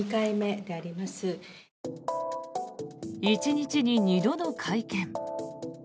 １日に２度の会見。